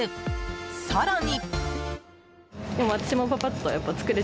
更に。